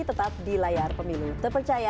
tetap di layar pemilu terpercaya